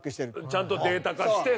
ちゃんとデータ化して。